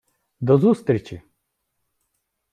До зустрічі!